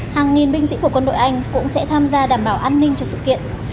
hàng nghìn binh sĩ của quân đội anh cũng sẽ tham gia đảm bảo an ninh cho sự kiện